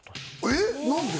えっ何で？